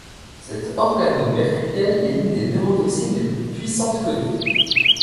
Cet organomercuriel est l'une des neurotoxines les plus puissantes connues.